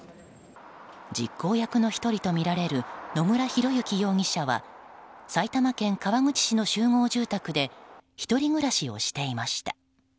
実行役の１人とみられる野村広之容疑者は埼玉県川口市の集合住宅で１人暮らしをしていました。